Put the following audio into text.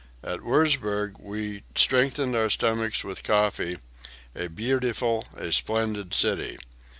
At Wurzburg we strengthened our stomachs with coffee; a beautiful, a splendid city.